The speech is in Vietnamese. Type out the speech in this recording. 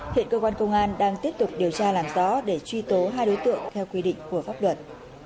hiện cơ quan công an đang tiếp tục điều tra làm rõ để truy tố hai đối tượng theo quy định của pháp luật